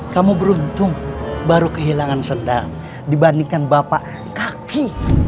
kamu beruntung baru kehilangan sedang dibandingkan bapak kaki